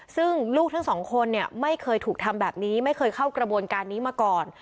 ซึ่งลูกทั้งสองคนเนี่ยไม่เคยถูกทำแบบนี้ไม่เคยเข้ากระบวนการนี้มาก่อน